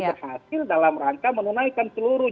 berhasil dalam rangka menunaikan seluruh